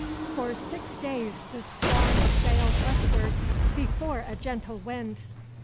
For six days the Swan sailed westward before a gentle wind.